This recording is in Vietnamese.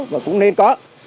và cũng nên có